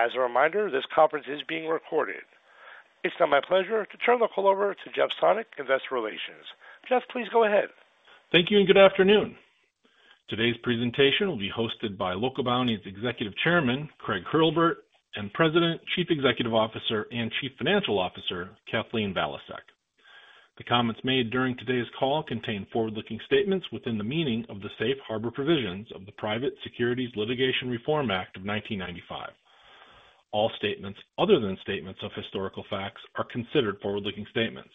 As a reminder, this conference is being recorded. It's now my pleasure to turn the call over to Jeff Sonnek, Investor Relations. Jeff, please go ahead. Thank you, and good afternoon. Today's presentation will be hosted by Local Bounti's Executive Chairman, Craig Hurlbert, and President, Chief Executive Officer, and Chief Financial Officer, Kathleen Valiasek. The comments made during today's call contain forward-looking statements within the meaning of the safe harbor provisions of the Private Securities Litigation Reform Act of 1995. All statements, other than statements of historical facts, are considered forward-looking statements.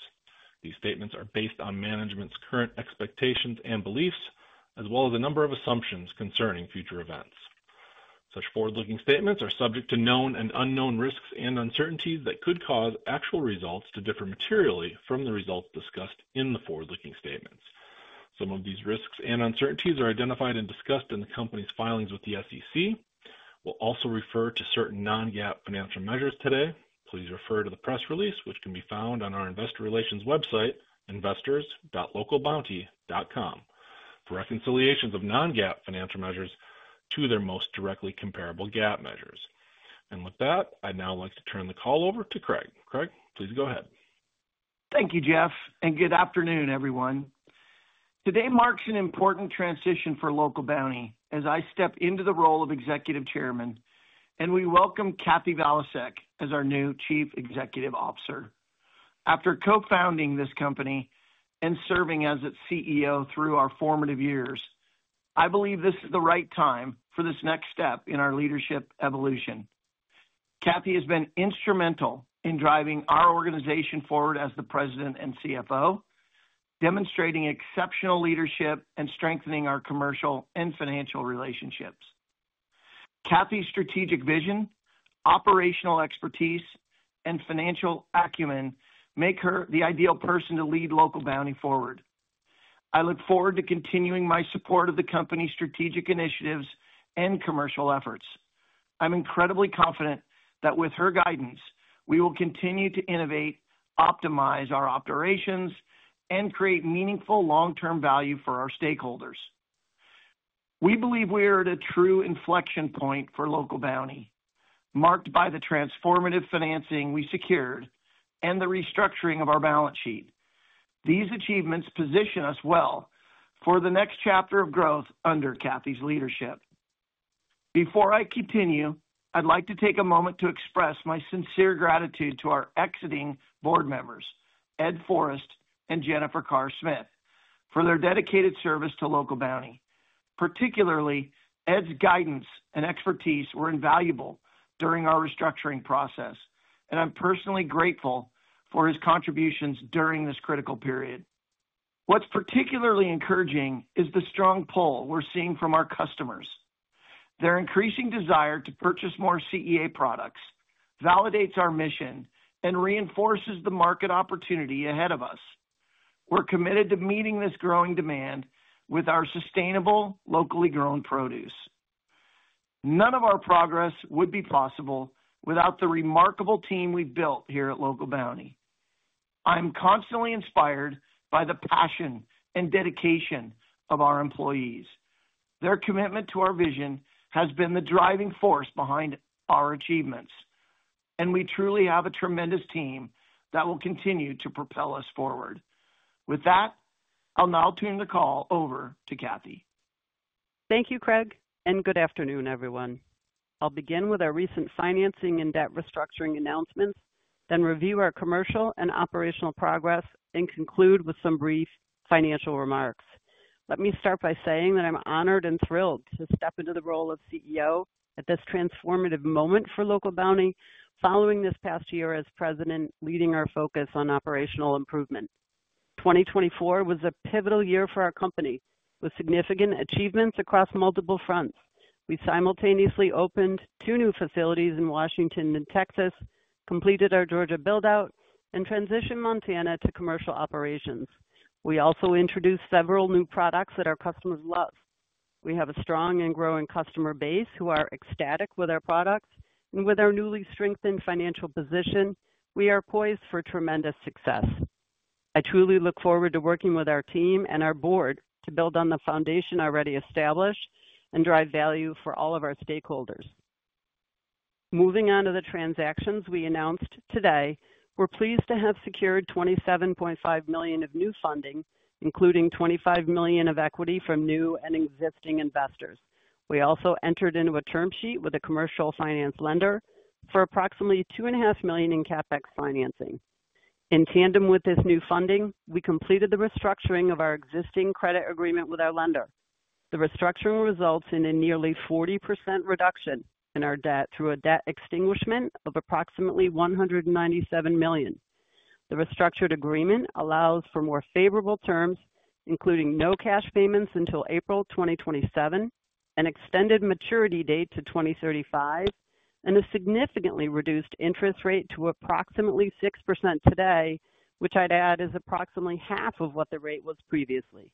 These statements are based on management's current expectations and beliefs, as well as a number of assumptions concerning future events. Such forward-looking statements are subject to known and unknown risks and uncertainties that could cause actual results to differ materially from the results discussed in the forward-looking statements. Some of these risks and uncertainties are identified and discussed in the company's filings with the SEC. We'll also refer to certain non-GAAP financial measures today. Please refer to the press release, which can be found on our Investor Relations website, investors.localbounti.com, for reconciliations of non-GAAP financial measures to their most directly comparable GAAP measures. With that, I'd now like to turn the call over to Craig. Craig, please go ahead. Thank you, Jeff, and good afternoon, everyone. Today marks an important transition for Local Bounti as I step into the role of Executive Chairman, and we welcome Kathleen Valiasek as our new Chief Executive Officer. After co-founding this company and serving as its CEO through our formative years, I believe this is the right time for this next step in our leadership evolution. Kathleen has been instrumental in driving our organization forward as the President and CFO, demonstrating exceptional leadership and strengthening our commercial and financial relationships. Kathleen's strategic vision, operational expertise, and financial acumen make her the ideal person to lead Local Bounti forward. I look forward to continuing my support of the company's strategic initiatives and commercial efforts. I'm incredibly confident that with her guidance, we will continue to innovate, optimize our operations, and create meaningful long-term value for our stakeholders. We believe we are at a true inflection point for Local Bounti, marked by the transformative financing we secured and the restructuring of our balance sheet. These achievements position us well for the next chapter of growth under Kathleen's leadership. Before I continue, I'd like to take a moment to express my sincere gratitude to our exiting board members, Ed Forst and Jennifer Carr-Smith, for their dedicated service to Local Bounti. Particularly, Ed's guidance and expertise were invaluable during our restructuring process, and I'm personally grateful for his contributions during this critical period. What's particularly encouraging is the strong pull we're seeing from our customers. Their increasing desire to purchase more CEA products validates our mission and reinforces the market opportunity ahead of us. We're committed to meeting this growing demand with our sustainable, locally grown produce. None of our progress would be possible without the remarkable team we've built here at Local Bounti. I'm constantly inspired by the passion and dedication of our employees. Their commitment to our vision has been the driving force behind our achievements, and we truly have a tremendous team that will continue to propel us forward. With that, I'll now turn the call over to Kathleen. Thank you, Craig, and good afternoon, everyone. I'll begin with our recent financing and debt restructuring announcements, then review our commercial and operational progress, and conclude with some brief financial remarks. Let me start by saying that I'm honored and thrilled to step into the role of CEO at this transformative moment for Local Bounti following this past year as President, leading our focus on operational improvement. 2024 was a pivotal year for our company with significant achievements across multiple fronts. We simultaneously opened two new facilities in Washington and Texas, completed our Georgia build-out, and transitioned Montana to commercial operations. We also introduced several new products that our customers love. We have a strong and growing customer base who are ecstatic with our products, and with our newly strengthened financial position, we are poised for tremendous success. I truly look forward to working with our team and our board to build on the foundation already established and drive value for all of our stakeholders. Moving on to the transactions we announced today, we're pleased to have secured $27.5 million of new funding, including $25 million of equity from new and existing investors. We also entered into a term sheet with a commercial finance lender for approximately $2.5 million in CapEx financing. In tandem with this new funding, we completed the restructuring of our existing credit agreement with our lender. The restructuring results in a nearly 40% reduction in our debt through a debt extinguishment of approximately $197 million. The restructured agreement allows for more favorable terms, including no cash payments until April 2027, an extended maturity date to 2035, and a significantly reduced interest rate to approximately 6% today, which I'd add is approximately half of what the rate was previously.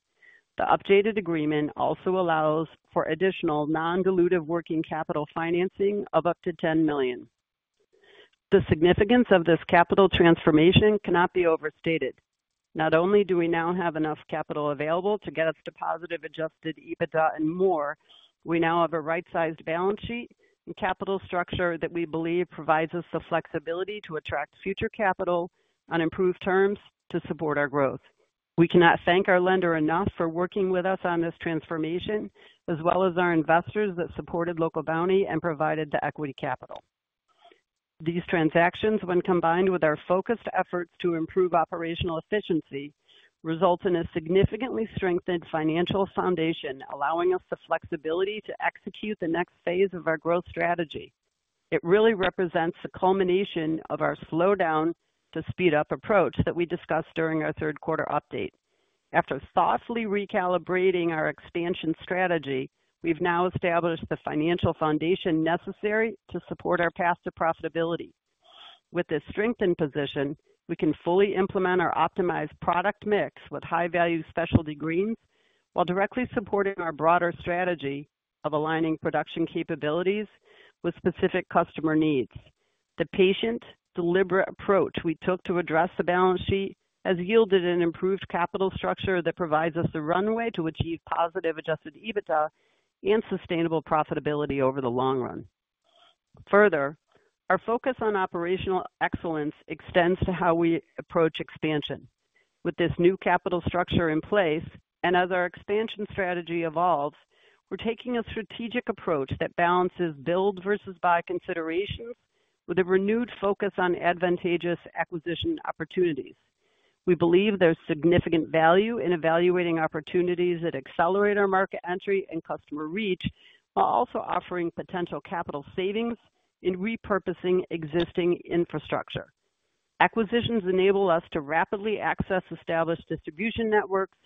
The updated agreement also allows for additional non-dilutive working capital financing of up to $10 million. The significance of this capital transformation cannot be overstated. Not only do we now have enough capital available to get us to positive adjusted EBITDA and more, we now have a right-sized balance sheet and capital structure that we believe provides us the flexibility to attract future capital on improved terms to support our growth. We cannot thank our lender enough for working with us on this transformation, as well as our investors that supported Local Bounti and provided the equity capital. These transactions, when combined with our focused efforts to improve operational efficiency, result in a significantly strengthened financial foundation, allowing us the flexibility to execute the next phase of our growth strategy. It really represents the culmination of our slow-down to speed-up approach that we discussed during our third quarter update. After thoughtfully recalibrating our expansion strategy, we've now established the financial foundation necessary to support our path to profitability. With this strengthened position, we can fully implement our optimized product mix with high-value specialty greens while directly supporting our broader strategy of aligning production capabilities with specific customer needs. The patient, deliberate approach we took to address the balance sheet has yielded an improved capital structure that provides us the runway to achieve positive adjusted EBITDA and sustainable profitability over the long run. Further, our focus on operational excellence extends to how we approach expansion. With this new capital structure in place and as our expansion strategy evolves, we're taking a strategic approach that balances build versus buy considerations with a renewed focus on advantageous acquisition opportunities. We believe there's significant value in evaluating opportunities that accelerate our market entry and customer reach while also offering potential capital savings in repurposing existing infrastructure. Acquisitions enable us to rapidly access established distribution networks,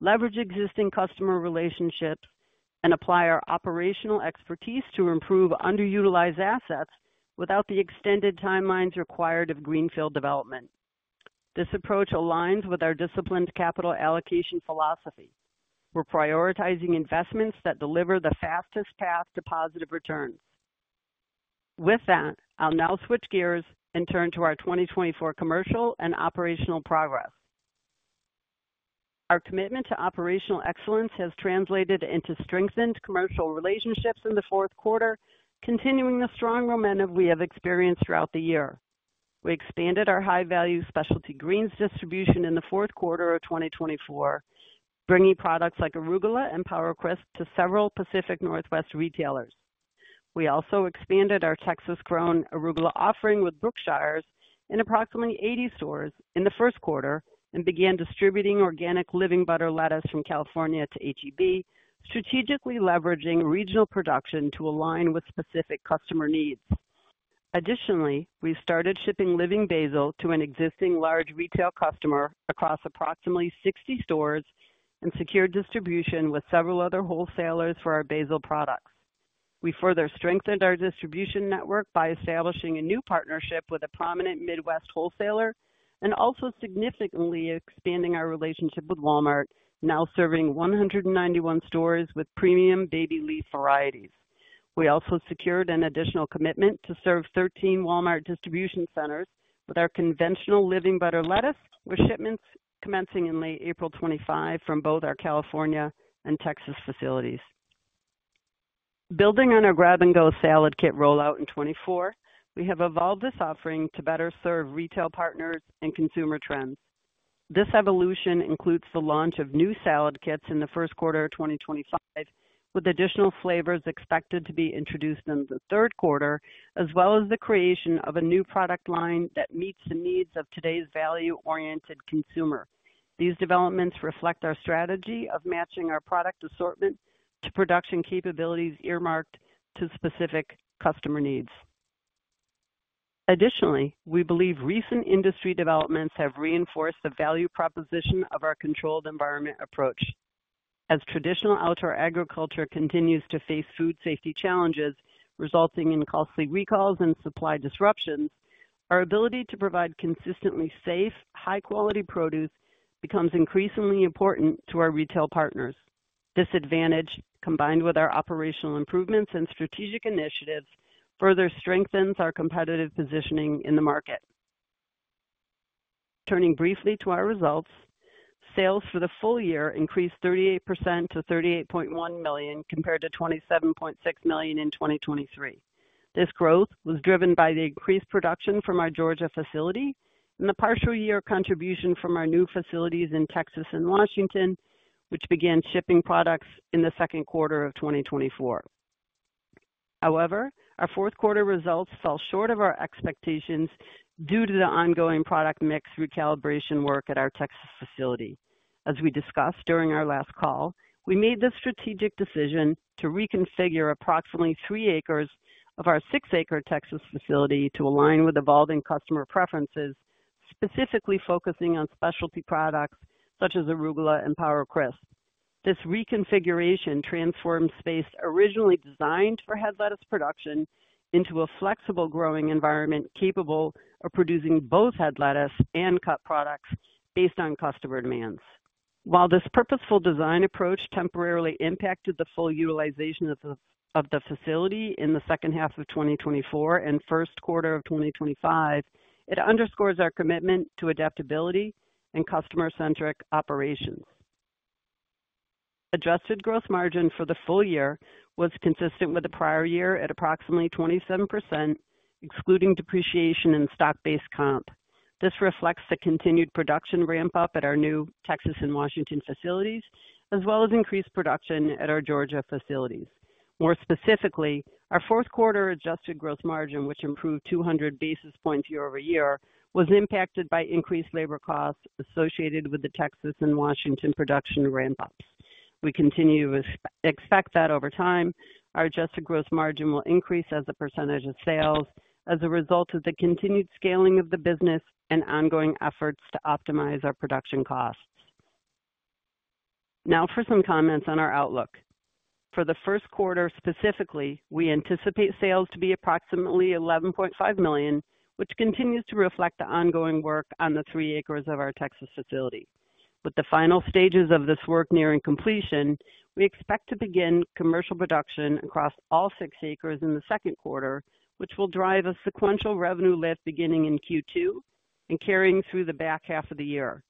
leverage existing customer relationships, and apply our operational expertise to improve underutilized assets without the extended timelines required of greenfield development. This approach aligns with our disciplined capital allocation philosophy. We're prioritizing investments that deliver the fastest path to positive returns. With that, I'll now switch gears and turn to our 2024 commercial and operational progress. Our commitment to operational excellence has translated into strengthened commercial relationships in the fourth quarter, continuing the strong momentum we have experienced throughout the year. We expanded our high-value specialty greens distribution in the fourth quarter of 2024, bringing products like Arugula and Watercress to several Pacific Northwest retailers. We also expanded our Texas-grown Arugula offering with Brookshire's in approximately 80 stores in the first quarter and began distributing organic living butter lettuce from California to H-E-B, strategically leveraging regional production to align with specific customer needs. Additionally, we started shipping living basil to an existing large retail customer across approximately 60 stores and secured distribution with several other wholesalers for our basil products. We further strengthened our distribution network by establishing a new partnership with a prominent Midwest wholesaler and also significantly expanding our relationship with Walmart, now serving 191 stores with premium baby leaf varieties. We also secured an additional commitment to serve 13 Walmart distribution centers with our conventional living butter lettuce, with shipments commencing in late April 2025 from both our California and Texas facilities. Building on our grab-and-go salad kit rollout in 2024, we have evolved this offering to better serve retail partners and consumer trends. This evolution includes the launch of new salad kits in the first quarter of 2025, with additional flavors expected to be introduced in the third quarter, as well as the creation of a new product line that meets the needs of today's value-oriented consumer. These developments reflect our strategy of matching our product assortment to production capabilities earmarked to specific customer needs. Additionally, we believe recent industry developments have reinforced the value proposition of our controlled environment approach. As traditional outdoor agriculture continues to face food safety challenges, resulting in costly recalls and supply disruptions, our ability to provide consistently safe, high-quality produce becomes increasingly important to our retail partners. This advantage, combined with our operational improvements and strategic initiatives, further strengthens our competitive positioning in the market. Turning briefly to our results, sales for the full year increased 38% to $38.1 million compared to $27.6 million in 2023. This growth was driven by the increased production from our Georgia facility and the partial year contribution from our new facilities in Texas and Washington, which began shipping products in the second quarter of 2024. However, our fourth quarter results fell short of our expectations due to the ongoing product mix recalibration work at our Texas facility. As we discussed during our last call, we made the strategic decision to reconfigure approximately three acres of our six-acre Texas facility to align with evolving customer preferences, specifically focusing on specialty products such as Arugula and Watercress. This reconfiguration transformed space originally designed for head lettuce production into a flexible growing environment capable of producing both head lettuce and cut products based on customer demands. While this purposeful design approach temporarily impacted the full utilization of the facility in the second half of 2024 and first quarter of 2025, it underscores our commitment to adaptability and customer-centric operations. Adjusted gross margin for the full year was consistent with the prior year at approximately 27%, excluding depreciation and stock-based comp. This reflects the continued production ramp-up at our new Texas and Washington facilities, as well as increased production at our Georgia facilities. More specifically, our fourth quarter adjusted gross margin, which improved 200 basis points year-over-year, was impacted by increased labor costs associated with the Texas and Washington production ramp-ups. We continue to expect that over time our adjusted gross margin will increase as a percentage of sales as a result of the continued scaling of the business and ongoing efforts to optimize our production costs. Now for some comments on our outlook. For the first quarter specifically, we anticipate sales to be approximately $11.5 million, which continues to reflect the ongoing work on the three acres of our Texas facility. With the final stages of this work nearing completion, we expect to begin commercial production across all six acres in the second quarter, which will drive a sequential revenue lift beginning in Q2 and carrying through the back half of the year.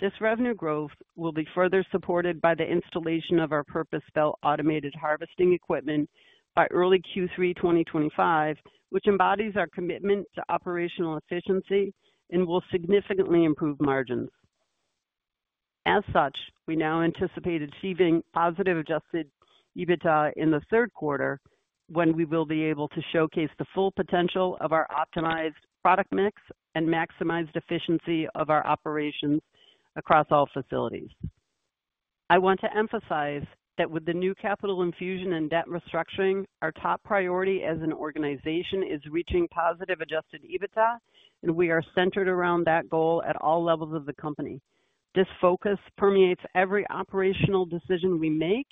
This revenue growth will be further supported by the installation of our purpose-built automated harvesting equipment by early Q3 2025, which embodies our commitment to operational efficiency and will significantly improve margins. As such, we now anticipate achieving positive adjusted EBITDA in the third quarter when we will be able to showcase the full potential of our optimized product mix and maximized efficiency of our operations across all facilities. I want to emphasize that with the new capital infusion and debt restructuring, our top priority as an organization is reaching positive adjusted EBITDA, and we are centered around that goal at all levels of the company. This focus permeates every operational decision we make,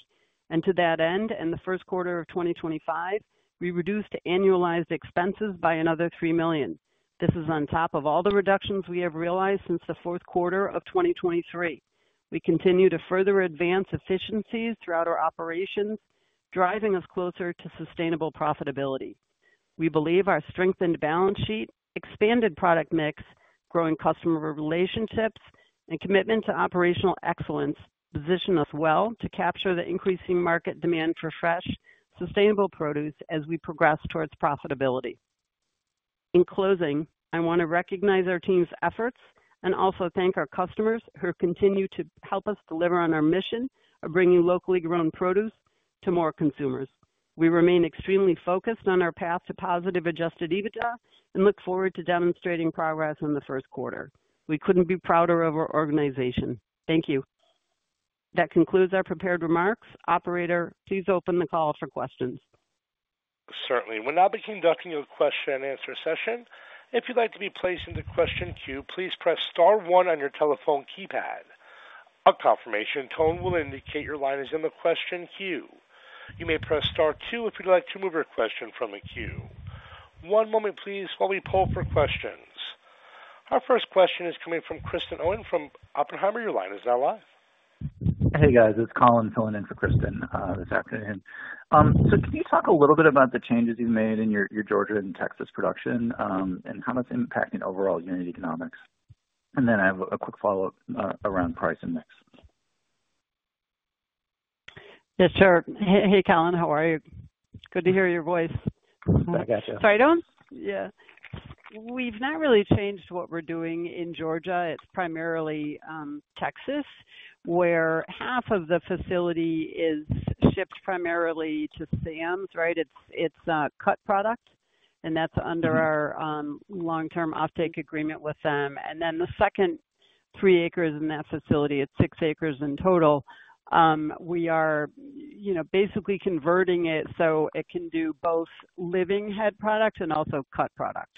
and to that end, in the first quarter of 2025, we reduced annualized expenses by another $3 million. This is on top of all the reductions we have realized since the fourth quarter of 2023. We continue to further advance efficiencies throughout our operations, driving us closer to sustainable profitability. We believe our strengthened balance sheet, expanded product mix, growing customer relationships, and commitment to operational excellence position us well to capture the increasing market demand for fresh, sustainable produce as we progress towards profitability. In closing, I want to recognize our team's efforts and also thank our customers who continue to help us deliver on our mission of bringing locally grown produce to more consumers. We remain extremely focused on our path to positive adjusted EBITDA and look forward to demonstrating progress in the first quarter. We couldn't be prouder of our organization. Thank you. That concludes our prepared remarks. Operator, please open the call for questions. Certainly. We'll now begin documenting your question and answer session. If you'd like to be placed in the question queue, please press star one on your telephone keypad. A confirmation tone will indicate your line is in the question queue. You may press star two if you'd like to move your question from the queue. One moment, please, while we pull up your questions. Our first question is coming from Kristen Owen from Oppenheimer. Your line is now live. Hey, guys. It's Colin filling in for Kristen this afternoon. Can you talk a little bit about the changes you've made in your Georgia and Texas production and how that's impacting overall unit economics? I have a quick follow-up around price and mix. Yes, sir. Hey, Colin. How are you? Good to hear your voice. I gotcha. Sorry, go on? Yeah. We've not really changed what we're doing in Georgia. It's primarily Texas, where half of the facility is shipped primarily to Sam's, right? It's cut product, and that's under our long-term offtake agreement with them. The second three acres in that facility, it's six acres in total. We are basically converting it so it can do both living head product and also cut product.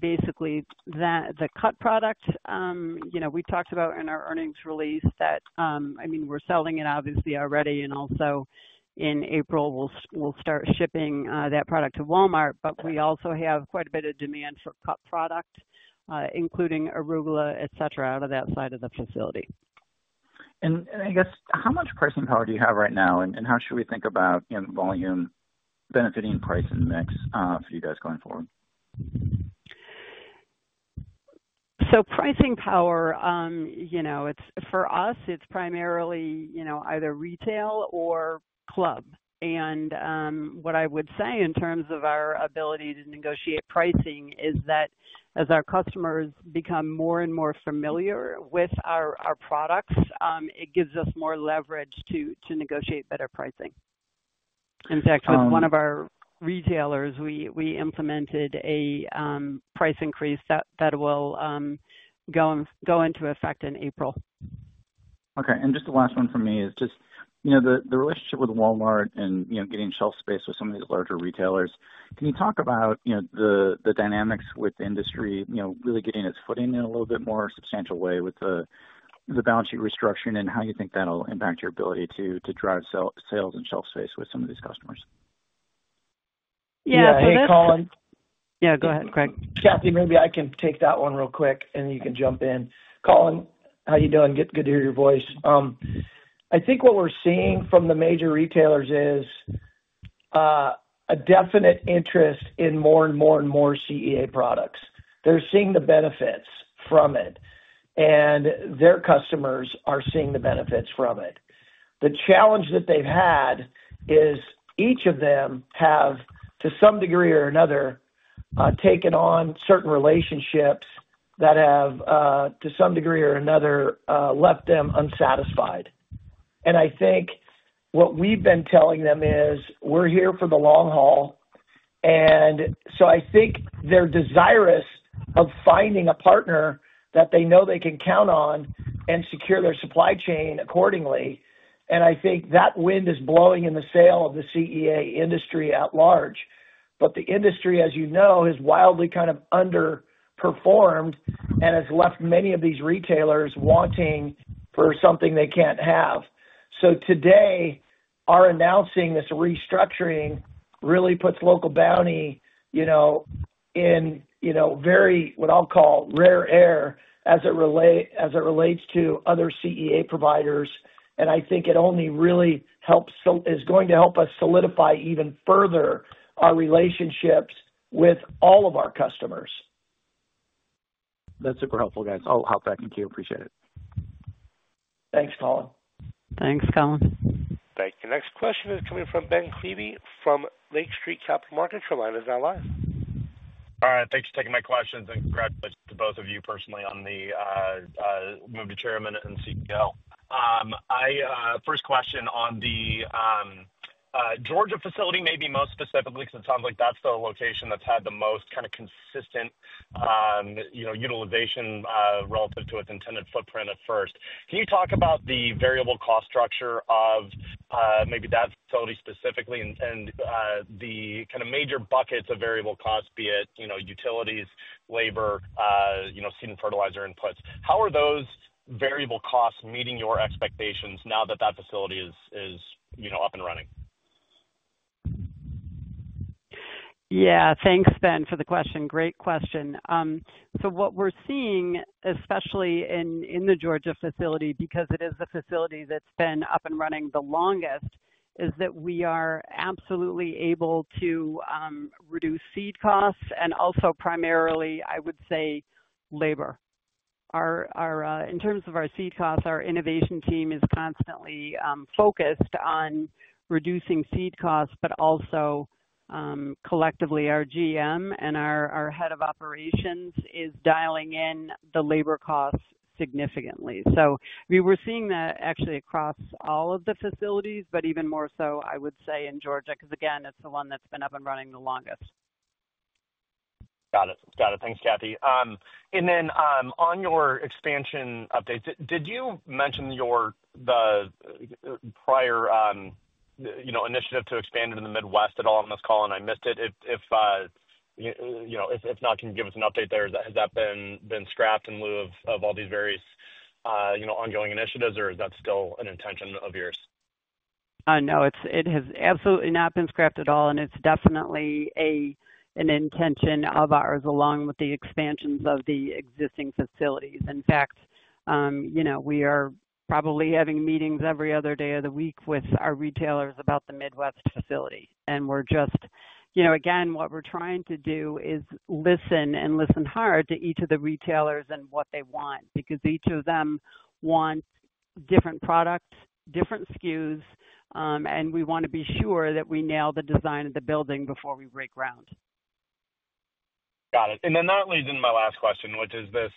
Basically, the cut product, we talked about in our earnings release that, I mean, we're selling it obviously already, and also in April, we'll start shipping that product to Walmart, but we also have quite a bit of demand for cut product, including Arugula, etc., out of that side of the facility. I guess, how much pricing power do you have right now, and how should we think about volume benefiting price and mix for you guys going forward? Pricing power, for us, it's primarily either retail or club. What I would say in terms of our ability to negotiate pricing is that as our customers become more and more familiar with our products, it gives us more leverage to negotiate better pricing. In fact, with one of our retailers, we implemented a price increase that will go into effect in April. Okay. Just the last one for me is just the relationship with Walmart and getting shelf space with some of these larger retailers. Can you talk about the dynamics with the industry really getting its foot in a little bit more substantial way with the balance sheet restructuring and how you think that'll impact your ability to drive sales and shelf space with some of these customers? Yeah. Hey, Colin. Yeah. Go ahead, Craig. Kathleen, maybe I can take that one real quick, and then you can jump in. Colin, how are you doing? Good to hear your voice. I think what we're seeing from the major retailers is a definite interest in more and more and more CEA products. They're seeing the benefits from it, and their customers are seeing the benefits from it. The challenge that they've had is each of them have, to some degree or another, taken on certain relationships that have, to some degree or another, left them unsatisfied. I think what we've been telling them is we're here for the long haul. I think they're desirous of finding a partner that they know they can count on and secure their supply chain accordingly. I think that wind is blowing in the sail of the CEA industry at large. The industry, as you know, has wildly kind of underperformed and has left many of these retailers wanting for something they can't have. Today, our announcing this restructuring really puts Local Bounti in very, what I'll call, rare air as it relates to other CEA providers. I think it only really helps, is going to help us solidify even further our relationships with all of our customers. That's super helpful, guys. I'll help back. Thank you. Appreciate it. Thanks, Colin. Thanks, Colin. Thank you. Next question is coming from Ben Klieve from Lake Street Capital Markets. Your line is now live. All right. Thanks for taking my questions and congratulations to both of you personally on the move to chairman and CEO. First question on the Georgia facility, maybe most specifically, because it sounds like that's the location that's had the most kind of consistent utilization relative to its intended footprint at first. Can you talk about the variable cost structure of maybe that facility specifically and the kind of major buckets of variable costs, be it utilities, labor, seed and fertilizer inputs? How are those variable costs meeting your expectations now that that facility is up and running? Yeah. Thanks, Ben, for the question. Great question. What we're seeing, especially in the Georgia facility, because it is the facility that's been up and running the longest, is that we are absolutely able to reduce seed costs and also primarily, I would say, labor. In terms of our seed costs, our innovation team is constantly focused on reducing seed costs, but also collectively, our GM and our head of operations is dialing in the labor costs significantly. We were seeing that actually across all of the facilities, but even more so, I would say, in Georgia, because, again, it's the one that's been up and running the longest. Got it. Got it. Thanks, Kathy. Then on your expansion updates, did you mention the prior initiative to expand into the Midwest at all on this call? I missed it. If not, can you give us an update there? Has that been scrapped in lieu of all these various ongoing initiatives, or is that still an intention of yours? No, it has absolutely not been scrapped at all, and it's definitely an intention of ours along with the expansions of the existing facilities. In fact, we are probably having meetings every other day of the week with our retailers about the Midwest facility. We're just, again, what we're trying to do is listen and listen hard to each of the retailers and what they want because each of them wants different products, different SKUs, and we want to be sure that we nail the design of the building before we break ground. Got it. That leads into my last question, which is the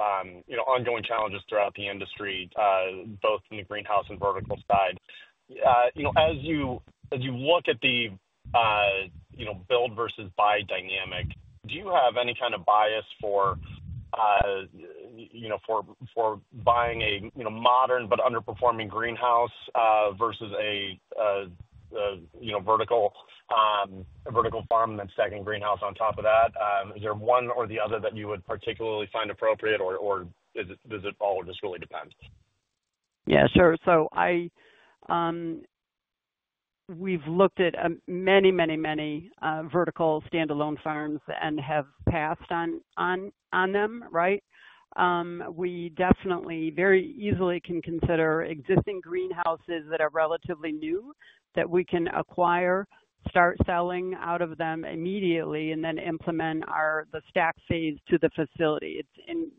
ongoing challenges throughout the industry, both in the greenhouse and vertical side. As you look at the build versus buy dynamic, do you have any kind of bias for buying a modern but underperforming greenhouse versus a vertical farm and then stacking greenhouse on top of that? Is there one or the other that you would particularly find appropriate, or does it all just really depend? Yeah, sure. We've looked at many, many, many vertical standalone farms and have passed on them, right? We definitely very easily can consider existing greenhouses that are relatively new that we can acquire, start selling out of them immediately, and then implement the stack phase to the facility.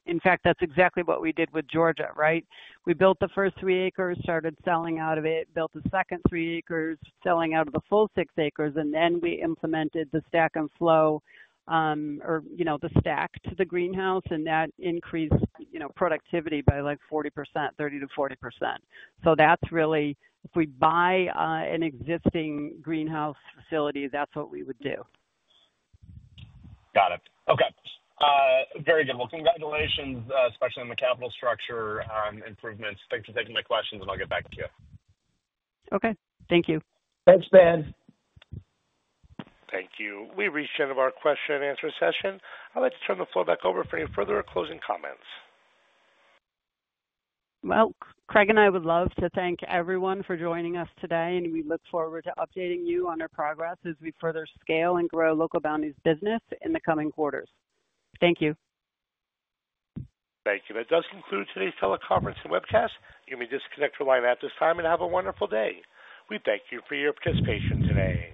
In fact, that's exactly what we did with Georgia, right? We built the first three acres, started selling out of it, built the second three acres, selling out of the full six acres, and then we implemented the Stack & Flow or the stack to the greenhouse, and that increased productivity by like 30%-40%. That is really, if we buy an existing greenhouse facility, that is what we would do. Got it. Okay. Very good. Congratulations, especially on the capital structure improvements. Thanks for taking my questions, and I'll get back to you. Thank you. Thanks, Ben. Thank you. We've reached the end of our question and answer session. I'd like to turn the floor back over for any further closing comments. Craig and I would love to thank everyone for joining us today, and we look forward to updating you on our progress as we further scale and grow Local Bounti's business in the coming quarters. Thank you. Thank you. That does conclude today's teleconference and webcast. You may disconnect from the line at this time and have a wonderful day. We thank you for your participation today.